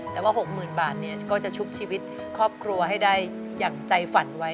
แต่ว่า๖๐๐๐บาทก็จะชุบชีวิตครอบครัวให้ได้อย่างใจฝันไว้